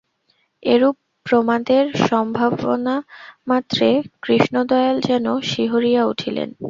এরূপ প্রমাদের সম্ভাবনামাত্রে কৃষ্ণদয়াল যেন শিহরিয়া উঠিলেন।